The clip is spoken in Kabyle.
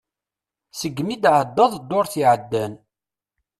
Segmi i d-tɛddaḍ ddurt iɛddan.